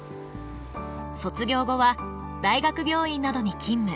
卒業後は大学病院などに勤務。